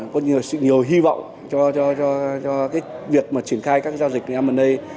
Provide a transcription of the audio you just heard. có nhiều hy vọng cho việc mà triển khai các giao dịch m a